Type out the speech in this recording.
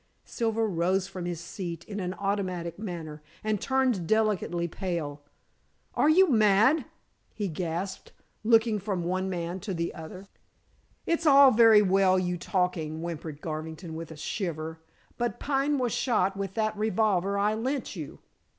Silver rose from his seat in an automatic manner, and turned delicately pale. "Are you mad?" he gasped, looking from one man to the other. "It's all very well you talking," whimpered Garvington with a shiver; "but Pine was shot with that revolver I lent you."